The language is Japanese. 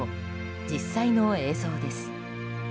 実際の映像です。